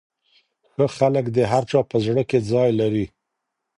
ښه خلک د هر چا په زړه کي ځای لري.